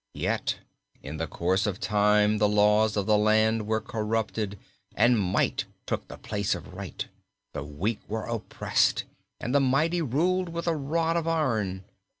Yet in the course of time the laws of the land were corrupted and might took the place of right, the weak were oppressed, and the mighty ruled with a rod of iron.